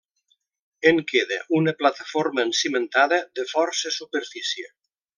En queda una plataforma encimentada de força superfície.